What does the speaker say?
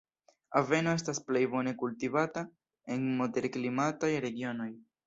Aveno estas plej bone kultivata en moderklimataj regionoj.